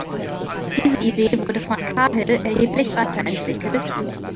Diese Idee wurde von Cahill erheblich weiterentwickelt.